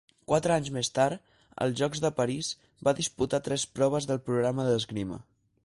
Quatre anys més tard, als Jocs de París, va disputar tres proves del programa d'esgrima.